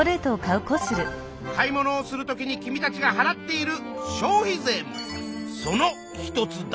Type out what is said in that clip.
買い物をする時に君たちがはらっている消費税もその一つだ。